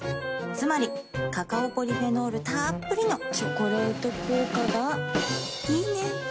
つまりカカオポリフェノールたっぷりの「チョコレート効果」がいいね。